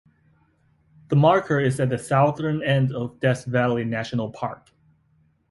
The marker is at the southern end of Death Valley National Park.